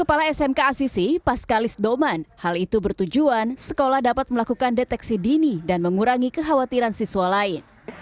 kepala smk asisi paskalis doman hal itu bertujuan sekolah dapat melakukan deteksi dini dan mengurangi kekhawatiran siswa lain